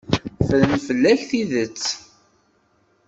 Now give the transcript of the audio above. Ffren fell-ak tidet.